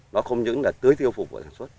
nó không những là tưới tiêu phục